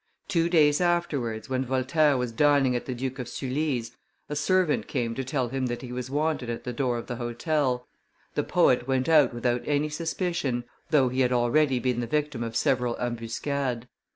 Two days afterwards, when Voltaire was dining at the Duke of Sully's, a servant came to tell him that he was wanted at the door of the hotel; the poet went out without any suspicion, though he had already been the victim of several ambuscades.